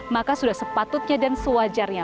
maka sudah sepatutnya dan sewajarnya